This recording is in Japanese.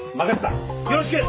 よろしく！